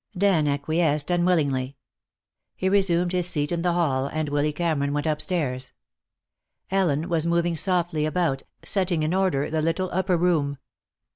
Dan acquiesced unwillingly. He resumed his seat in the hail, and Willy Cameron went upstairs. Ellen was moving softly about, setting in order the little upper room.